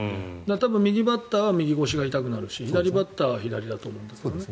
多分、右バッターは右腰が痛くなるし左バッターは左だと思うんですね。